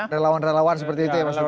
relawan relawan seperti itu ya mas